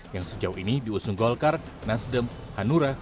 yang sejauh ini diusung golkar nasdem hanura